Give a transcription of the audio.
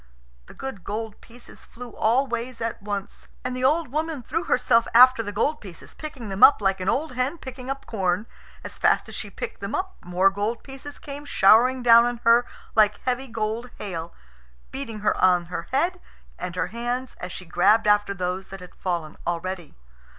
The good gold pieces flew all ways at once. And the old woman threw herself after the gold pieces, picking them up like an old hen picking up corn. As fast as she picked them up more gold pieces came showering down on her like heavy gold hail, beating her on her head and her hands as she grubbed after those that had fallen already.